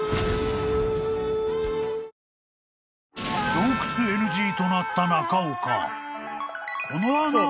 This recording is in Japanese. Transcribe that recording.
［洞窟ＮＧとなった中岡］